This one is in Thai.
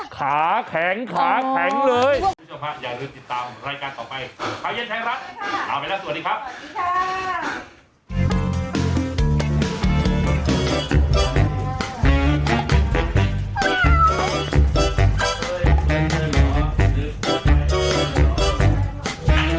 ขาแข็งขาแข็งเลยทุกท่านผู้ชมพะอย่าลืมติดตามรายการต่อไป